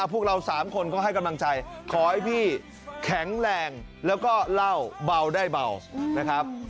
พวกเรา๓คนก็ให้กำลังใจขอให้พี่แข็งแรงแล้วก็เล่าเบาได้เบานะครับ